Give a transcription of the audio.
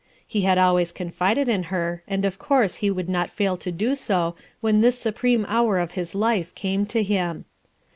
lie had always confided in her and of course he would not fail to do so when this supreme hour of his life came to him.